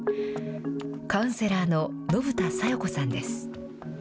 カウンセラーの信田さよ子さんです。